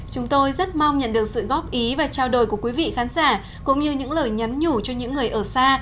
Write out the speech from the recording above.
chúng tôi rất mong nhận được sự góp ý và trao đổi của quý vị khán giả cũng như những lời nhắn nhủ cho những người ở xa